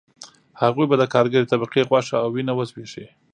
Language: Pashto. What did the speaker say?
هغوی به د کارګرې طبقې غوښه او وینه وزبېښي